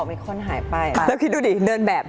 ไม่คอนหายไปแล้วคิดดูดิเดินแบบ